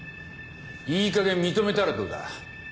いいかげん認めたらどうだ？